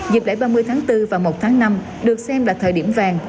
dịp lễ ba mươi tháng bốn và một tháng năm được xem là thời điểm vàng